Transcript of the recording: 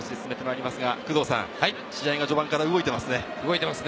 工藤さん、試合が序盤から動いていますね。